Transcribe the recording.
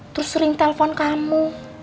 terus sering telepon kamu